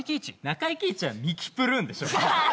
中井貴一はミキプルーンでしょ